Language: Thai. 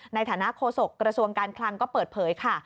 ในฐานะโฆษกระทรวงการคลังก็เปิดเผยค่ะ